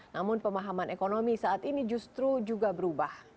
namun pemahaman ekonomi saat ini justru juga berubah